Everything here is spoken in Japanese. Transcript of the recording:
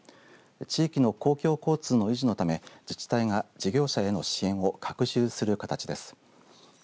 地域の公共交通の維持のため自治体が事業者への支援を拡充する形です。